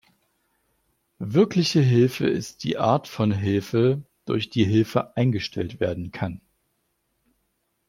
Wirkliche Hilfe ist die Art von Hilfe, durch die Hilfe eingestellt werden kann.